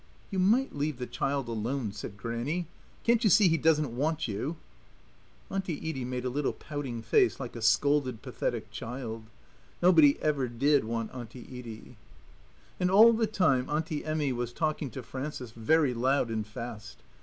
"You might leave the child alone," said Grannie. "Can't you see he doesn't want you?" Auntie Edie made a little pouting face, like a scolded, pathetic child. Nobody ever did want Auntie Edie. And all the time Auntie Emmy was talking to Frances very loud and fast.